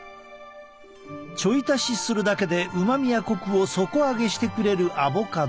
ちょい足しするだけでうまみやコクを底上げしてくれるアボカド。